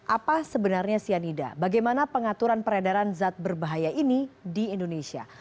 apa sebenarnya cyanida bagaimana pengaturan peredaran zat berbahaya ini di indonesia